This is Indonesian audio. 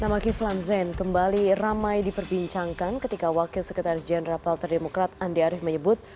nama kiflan zen kembali ramai diperbincangkan ketika wakil sekretaris jenderal partai demokrat andi arief menyebut